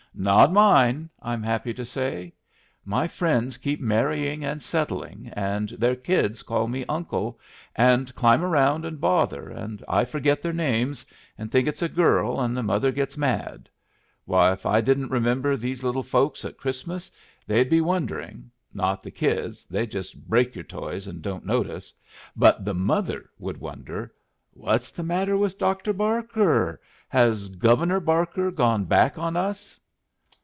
"Not mine, I'm happy to say. My friends keep marrying and settling, and their kids call me uncle, and climb around and bother, and I forget their names, and think it's a girl, and the mother gets mad. Why, if I didn't remember these little folks at Christmas they'd be wondering not the kids, they just break your toys and don't notice; but the mother would wonder 'What's the matter with Dr. Barker? Has Governor Barker gone back on us?'